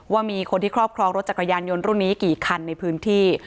ว่ามีคนที่ครอบครองรถจักรยานยนต์รุ่นนี้กี่คันในพื้นที่